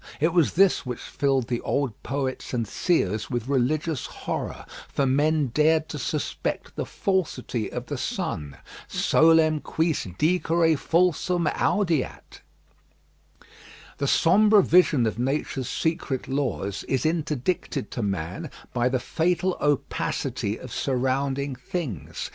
It was this which filled the old poets and seers with religious horror; for men dared to suspect the falsity of the sun. Solem quis dicere falsum audeat? The sombre vision of nature's secret laws is interdicted to man by the fatal opacity of surrounding things.